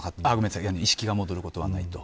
意識が戻ることはなかった。